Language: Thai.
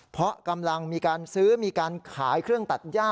เพราะกำลังมีการซื้อมีการขายเครื่องตัดย่า